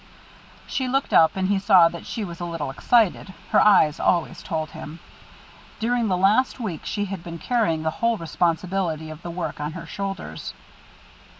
She looked up, and he saw that she was a little excited; her eyes always told him. During this last week she had been carrying the whole responsibility of the work on her shoulders.